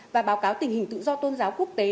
và báo cáo tình hình tự do tôn giáo quốc tế